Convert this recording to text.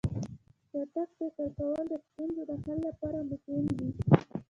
چټک فکر کول د ستونزو د حل لپاره مهم دي.